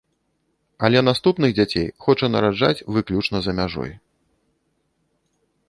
Але наступных дзяцей хоча нараджаць выключна за мяжой.